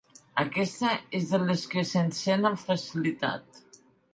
Aquesta és de les que s'encén amb facilitat.